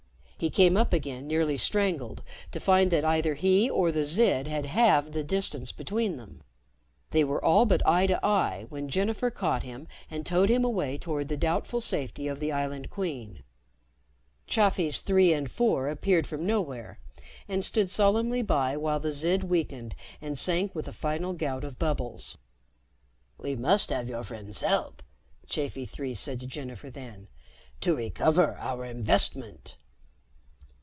He came up again, nearly strangled, to find that either he or the Zid had halved the distance between them. They were all but eye to eye when Jennifer caught him and towed him away toward the doubtful safety of the Island Queen. Chafis Three and Four appeared from nowhere and stood solemnly by while the Zid weakened and sank with a final gout of bubbles. "We must have your friend's help," Chafi Three said to Jennifer then, "to recover our investment."